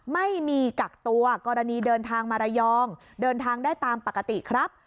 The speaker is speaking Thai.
ไม่มีกักตัวกรณีเดินทางมาระยองเดินทางได้ตามปกติครับ